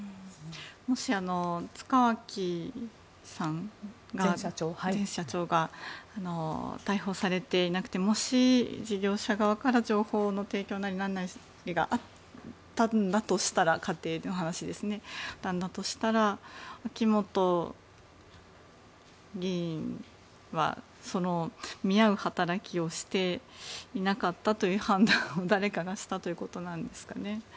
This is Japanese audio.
もし、塚脇前社長が逮捕されていなくてもし事業者側から情報の提供なり何なりがあったんだとしたら仮定の話ですが秋本議員は見合う働きをしていなかったという判断を誰かがしたということなんですかね。